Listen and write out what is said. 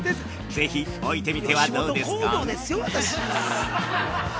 ぜひ置いてみてはどうですか。